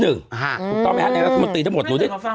ต้องมาฮัดในรัฐมนตีทั้งหมด